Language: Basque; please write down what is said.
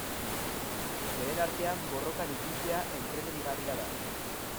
Beren artean borrokan ikustea entretenigarria da.